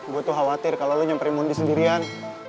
gua tuh khawatir kalo lu nyamperin mondi sendirian